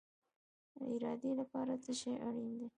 د ارادې لپاره څه شی اړین دی؟